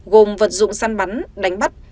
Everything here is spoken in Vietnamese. gồm vật dụng săn bắn đánh bắt